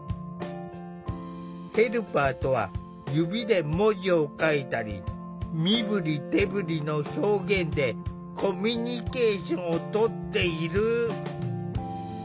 ヘルパーとは指で文字を書いたり身振り手振りの表現でコミュニケーションをとっている。